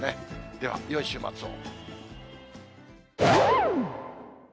では、よい週末を。